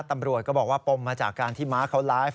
ตำรวจก็บอกว่าปมมาจากการที่ม้าเขาไลฟ์